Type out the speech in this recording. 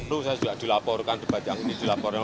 lu saya juga dilaporkan debat yang ini